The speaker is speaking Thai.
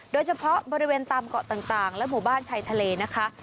โดยเฉพาะบริเวณตามเกาะต่างและหมู่บ้านชายทะเลนะคะ